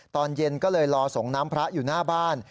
ตอนเย็นก็เลยรอส่งน้ำพระอยู่หน้าบ้าน